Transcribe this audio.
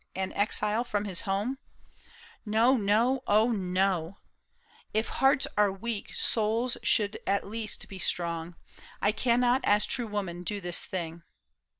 An exile from his home ! No, no, O no ! If hearts are weak, souls should at least be strong ; I cannot as true woman do this thing."